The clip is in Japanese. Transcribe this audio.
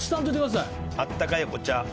あったかいお茶